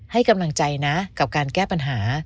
ให้กำลังใจนะกับการแก้ปัญหา